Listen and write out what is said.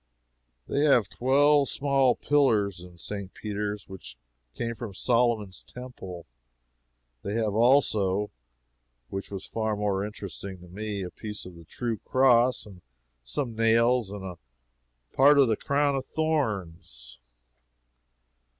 They have twelve small pillars, in St. Peter's, which came from Solomon's Temple. They have, also which was far more interesting to me a piece of the true cross, and some nails, and a part of the crown of thorns.